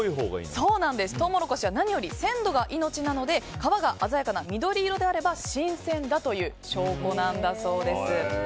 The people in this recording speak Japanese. トウモロコシは何よりも鮮度が命なので皮が鮮やかな緑色であれば新鮮だという証拠なんだそうです。